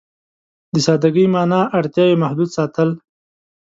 سادهګي معنا ده اړتياوې محدود ساتل.